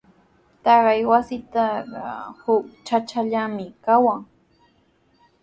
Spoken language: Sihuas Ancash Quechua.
Taqay wasitrawqa huk chachallami kawan.